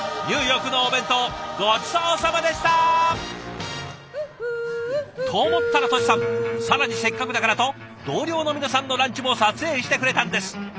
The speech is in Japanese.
ニューヨークのお弁当ごちそうさまでした！と思ったらトシさん更にせっかくだからと同僚の皆さんのランチも撮影してくれたんです。